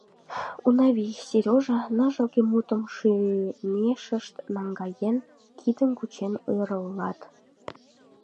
«Унавий!», «Серёжа!» ныжылге мутым шӱмешышт наҥгаен, кидым кучен ойырлат.